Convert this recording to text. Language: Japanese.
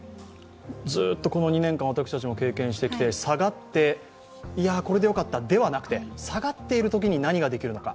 ずっとこの２年間、私たちも経験してきて、下がって、いや、これでよかった、ではなくて下がっているときに何ができるのか。